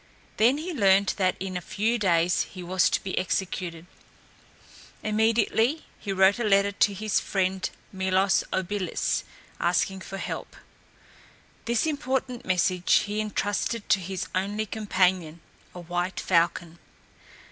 Then he learned that in a few days he was to be executed. Immediately he wrote a letter to his friend, Milos Obilis, asking for help. This important message he entrusted to his only companion, a white falcon.